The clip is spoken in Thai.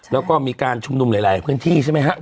แล้วก็มีการชุมนุมหลายพื้นที่ใช่ไหมครับ